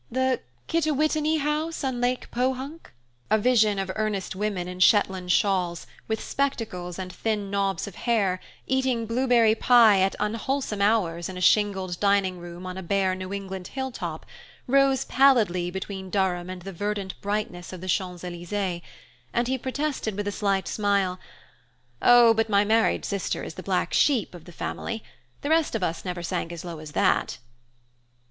the Kittawittany House on Lake Pohunk " A vision of earnest women in Shetland shawls, with spectacles and thin knobs of hair, eating blueberry pie at unwholesome hours in a shingled dining room on a bare New England hill top, rose pallidly between Durham and the verdant brightness of the Champs Elysees, and he protested with a slight smile: "Oh, but my married sister is the black sheep of the family the rest of us never sank as low as that."